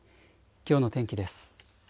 きょうの天気です。